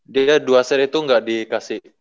dia dua set itu gak dikasih